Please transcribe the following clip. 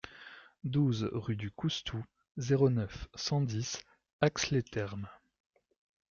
douze rue du Coustou, zéro neuf, cent dix, Ax-les-Thermes